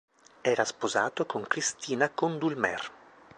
Era sposato con Cristina Condulmer.